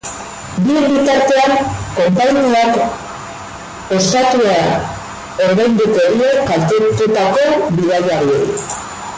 Bien bitartean, konpainiak ostatua ordainduko die kaltetutako bidaiariei.